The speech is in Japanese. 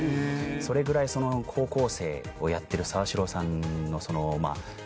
それぐらいその高校生をやってる沢城さんの。